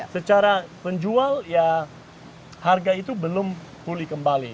secara penjual ya harga itu belum pulih kembali